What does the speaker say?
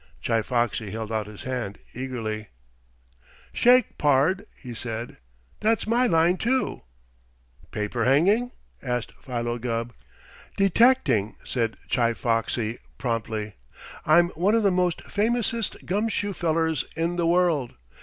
Chi Foxy held out his hand eagerly. "Shake, pard!" he asked. "That's my line, too." "Paper hanging?" asked Philo Gubb. "Detecting," said Chi Foxy promptly. "I'm one of the most famousest gum shoe fellers in the world.